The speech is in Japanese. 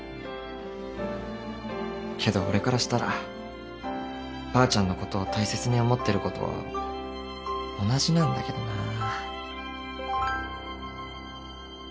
けど俺からしたらばあちゃんのことを大切に思ってることは同じなんだけどなあ。